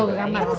tuh ke kamar